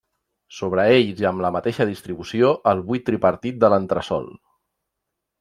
Sobre ells i amb la mateixa distribució, el buit tripartit de l'entresòl.